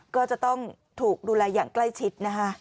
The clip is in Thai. ก็จะต้องถูกดูแลอย่างใกล้ชิดนะคะ